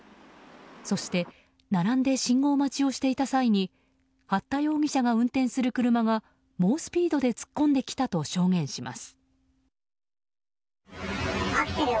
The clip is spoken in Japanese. そして並んで信号待ちをしていた際に八田容疑者が運転する車が猛スピードで突っ込んできたと証言します。